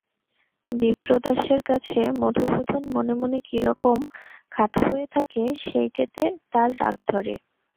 বিপ্রদাসের কাছে মধুসূদন মনে মনে কী রকম খাটো হয়ে থাকে সেইটেতে তার রাগ ধরে।